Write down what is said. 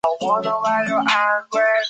后屡有增修。